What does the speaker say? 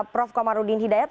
prof komarudin hidayat